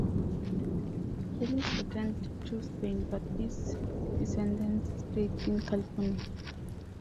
Celis returned to Spain, but his descendants stayed in California.